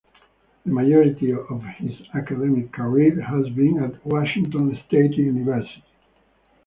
The majority of his academic career has been at Washington State University.